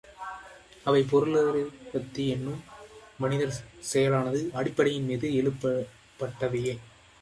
அவை பொருளுற்பத்தி என்னும் மனிதர் செயலான அடிப்படையின்மீது எழுப்பப்பட்டவையே.